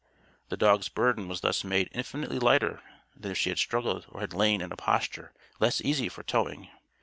The dog's burden was thus made infinitely lighter than if she had struggled or had lain in a posture less easy for towing.